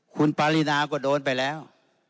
คุณปารีนาก็โดนไปแล้ว